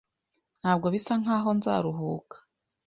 Ntabwo bisa nkaho nzaruhuka.